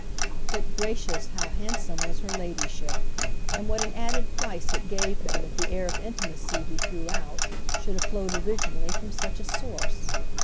But, gracious, how handsome was her ladyship, and what an added price it gave him that the air of intimacy he threw out should have flowed originally from such a source!